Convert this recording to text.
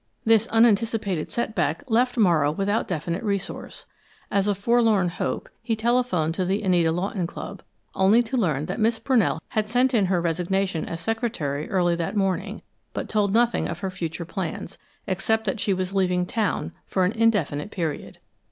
This unanticipated set back left Morrow without definite resource. As a forlorn hope he telephoned to the Anita Lawton Club, only to learn that Miss Brunell had sent in her resignation as secretary early that morning, but told nothing of her future plans, except that she was leaving town for an indefinite period.